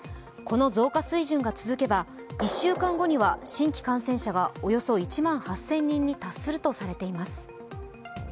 この増加水準が続けば１週間後には新規感染者がおよそ１万８０００人に達するとされています。